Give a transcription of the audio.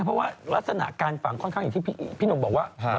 เพราะว่ารักษณะการฝังค่อนข้างอย่างที่พี่หนุ่มบอกว่า